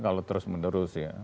kalau terus menerus ya